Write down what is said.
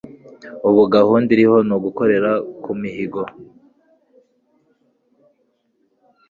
Ubu gahunda iriho ni ugukorera ku mihigo